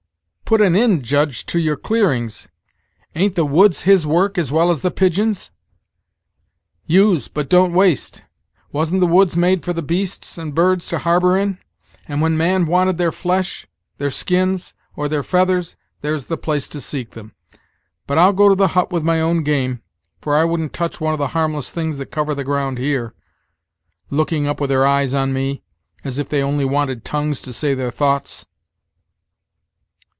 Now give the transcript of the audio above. "Put an ind, Judge, to your clearings. Ain't the woods His work as well as the pigeons? Use, but don't waste. Wasn't the woods made for the beasts and birds to harbor in? and when man wanted their flesh, their skins, or their feathers, there's the place to seek them. But I'll go to the hut with my own game, for I wouldn't touch one of the harmless things that cover the ground here, looking up with their eyes on me, as if they only wanted tongues to say their thoughts."